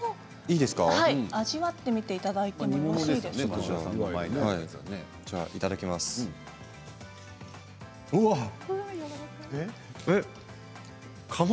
味わってみていただいてよろしいですか。